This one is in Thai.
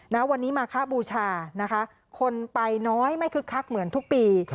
วันนี้มาคบูชานะคะคนไปน้อยไม่คึกคักเหมือนทุกปี